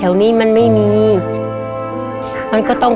แต่ว่าไปถามเขาก็บอกว่ารอก่อน